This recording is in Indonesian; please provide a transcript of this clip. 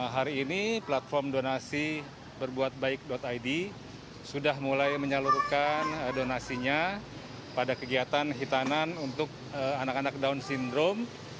hari ini platform donasi berbuatbaik id sudah mulai menyalurkan donasinya pada kegiatan hitanan untuk anak anak down syndrome